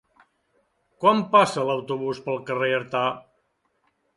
Quan passa l'autobús pel carrer Artà?